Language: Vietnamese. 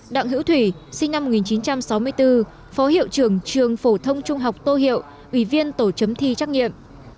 đặng hữu thủy sinh năm một nghìn chín trăm sáu mươi bốn phó hiệu trưởng trường phổ thông trung học tô hiệu ủy viên tổ chấm thi trắc nghiệm